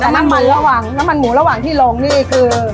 น้ำมันหมูระหว่างที่ลงนี่คือ